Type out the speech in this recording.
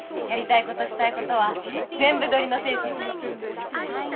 やりたいことしたいことは全部取りの精神で。